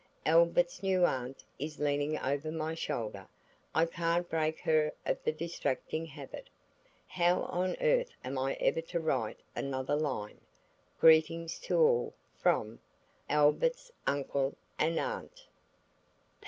Albert's new aunt is leaning over my shoulder. I can't break her of the distracting habit. How on earth am I ever to write another line? Greetings to all from "ALBERT'S UNCLE AND AUNT.